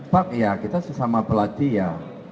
pak ya kita sesama pelatih ya